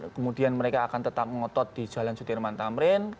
kemudian mereka akan tetap ngotot di jalan sudirman tamrin